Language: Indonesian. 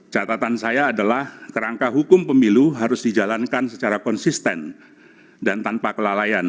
catatan saya adalah kerangka hukum pemilu harus dijalankan secara konsisten dan tanpa kelalaian